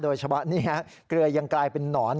โดยเฉพาะนี่ฮะเกลือยังกลายเป็นนอน